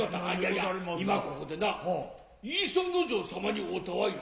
イヤ今ここでな磯之丞様に逢うたわいな。